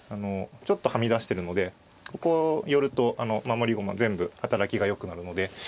ちょっとはみ出してるのでここ寄ると守り駒全部働きがよくなるので。